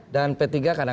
dan p tiga kadang kadang